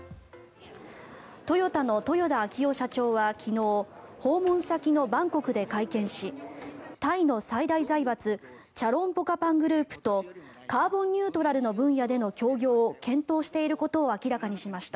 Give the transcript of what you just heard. トヨタの豊田章男社長は昨日訪問先のバンコクで会見しタイの最大財閥チャロン・ポカパングループとカーボンニュートラルの分野での協業を検討していることを明らかにしました。